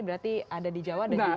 berarti ada di jawa ada juga di